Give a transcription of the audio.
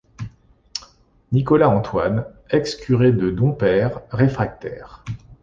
Nicolas Antoine, ex-curé de Dompaire, réfractaire.